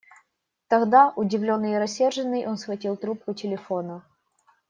Тогда, удивленный и рассерженный, он схватил трубку телефона.